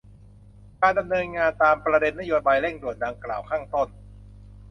การดำเนินงานตามประเด็นนโยบายเร่งด่วนดังกล่าวข้างต้น